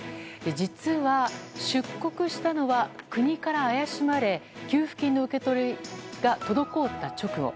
実は、出国したのは国から怪しまれ給付金の受け取りが滞った直後。